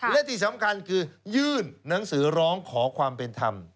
และที่สำคัญคือยื่นหนังสือร้องขอความเป็นธรรม